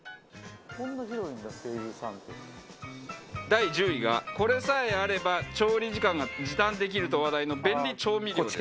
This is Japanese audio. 第１０位がこれさえあれば調理時間が時短できると話題の便利調味料です。